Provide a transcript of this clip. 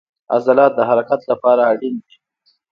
عضلات د حرکت لپاره اړین دي